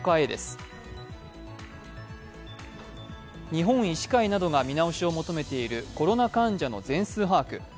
日本医師会などが見直しを求めているコロナ患者の全数把握。